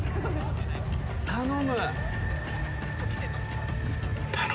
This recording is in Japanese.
頼む。